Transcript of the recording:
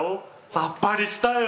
さっぱりしたよ。